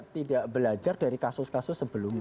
tidak belajar dari kasus kasus sebelumnya